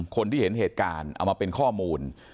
คนที่เห็นเหตุการณ์เอามาเป็นข้อมูล